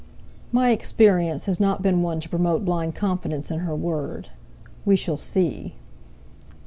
"My experience has not been one to promote blind confidence in her word. We shall see."